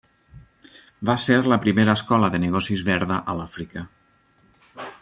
Va ser la primera escola de negocis verda a l'Àfrica.